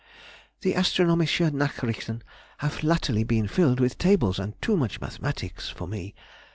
... The Astronom. Nachrichten have latterly been filled with tables and too much mathematics (for me).